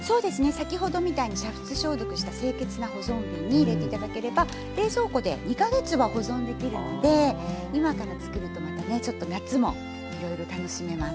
先ほどみたいに煮沸消毒した清潔な保存瓶に入れて頂ければ冷蔵庫で２か月は保存できるので今から作るとまたねちょっと夏もいろいろ楽しめます。